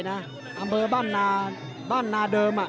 อำเมอบ้านนาเดิม